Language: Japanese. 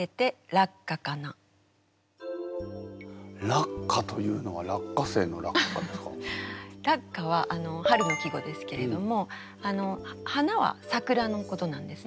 「落花」というのは「落花」は春の季語ですけれども花は桜のことなんですね。